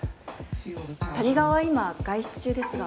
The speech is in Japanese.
谷川は今外出中ですが。